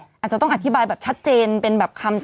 อาจจะต้องอธิบายแบบชัดเจนเป็นแบบคำ